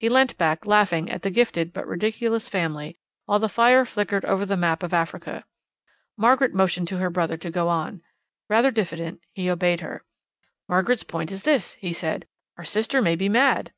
He leant back, laughing at the gifted but ridiculous family, while the fire flickered over the map of Africa. Margaret motioned to her brother to go on. Rather diffident, he obeyed her. "Margaret's point is this," he said. "Our sister may be mad."